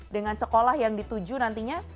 dengan sekolah yang dituju nantinya